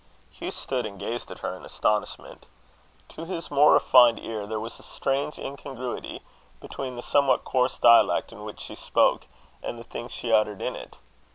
Hugh stood and gazed at her in astonishment. To his more refined ear, there was a strange incongruity between the somewhat coarse dialect in which she spoke, and the things she uttered in it.